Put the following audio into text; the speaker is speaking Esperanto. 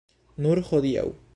Nur hodiaŭ.